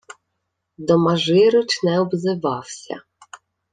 Домажирич не обзивався.